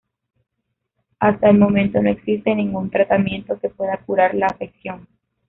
Hasta el momento no existe ningún tratamiento que pueda curar la afección.